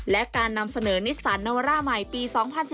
และการนำเสนอนิสสันนวร่าใหม่ปี๒๐๑๙